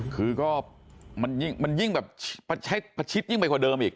คือก็มันยิ่งแบบประชิดยิ่งไปกว่าเดิมอีก